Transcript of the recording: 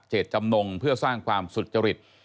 ตจำนงเพื่อสร้างความสุจริต